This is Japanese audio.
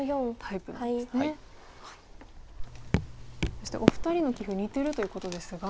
そしてお二人の棋風似てるということですが。